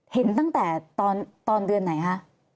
เห็นตั้งแต่ตอนเดือนไหนคะ